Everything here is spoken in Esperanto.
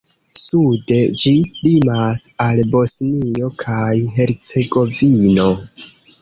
Sude ĝi limas al Bosnio kaj Hercegovino.